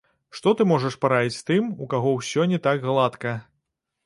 Што ты можаш параіць тым, у каго ўсё не так гладка?